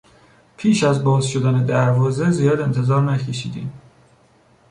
پیش از باز شدن دروازه زیاد انتظار نکشیدیم.